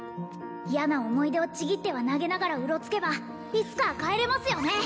嫌な思い出をちぎっては投げながらうろつけばいつかは帰れますよね